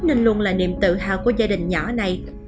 nên luôn là niềm tự hào của gia đình nhỏ này